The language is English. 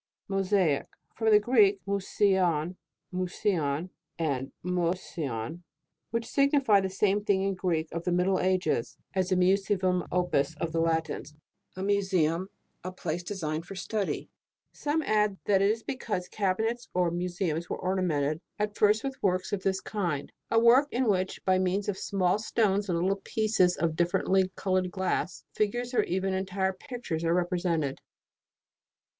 MOSAIC. From the Greek, mouseion, mows/0/?, and mosion, which signify the same thing in the Greek of the middle ages, as the musivum opus, of the Latins, a museum, a place designed for study. Some add, that it is because cabinets or museums were ornamented at first with works 146 MAMMALOGY: GLOSSARY. of this kind. A work, in which, by means of small stones and little pieces of differently coloured glass, figures or even entire pictures are represented.